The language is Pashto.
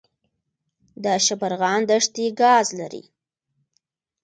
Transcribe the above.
د شبرغان دښتې ګاز لري